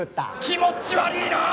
気持ち悪ぃなあ！